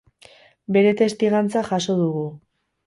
Bere testigantza jaso dugu.